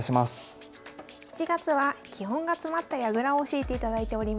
７月は基本が詰まった矢倉を教えていただいております。